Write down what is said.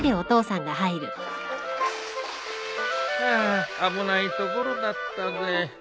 ハァ危ないところだったぜ。